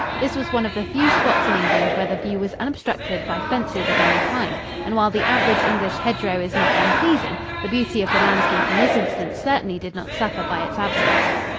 This was one of the few spots in England where the view was unobstructed by fences of any kind, and while the average English hedge row is not unpleasing, the beauty of the landscape in this instance certainly did not suffer by its absence.